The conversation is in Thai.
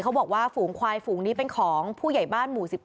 บอกว่าฝูงควายฝูงนี้เป็นของผู้ใหญ่บ้านหมู่๑๙